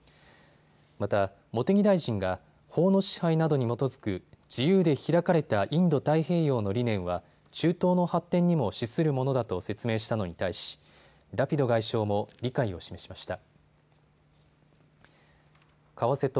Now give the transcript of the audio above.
また、茂木大臣が法の支配などに基づく自由で開かれたインド太平洋の理念は中東の発展にも資するものだと説明したのに対しラピド外相も理解を示しました。